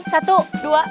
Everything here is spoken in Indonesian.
satu dua tiga